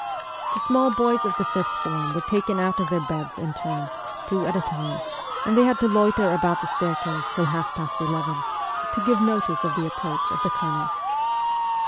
The small boys of the fifth form were taken out of their beds in turn, two at a time, and they had to loiter about the stair case till half past eleven, to give notice of the approach of the Colonel.